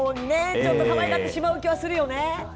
ちょっとかわいがってしまう気がするよね。